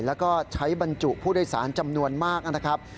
แล้วก็ใช้บรรจุผู้โดยสารจำนวนมากนะครับ